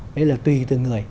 đấy là tùy từng người